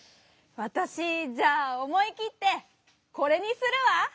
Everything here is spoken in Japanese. わたしじゃあおもいきって「これ」にするわ！